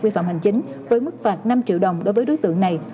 vi phạm hành chính với mức phạt năm triệu đồng đối với đối tượng này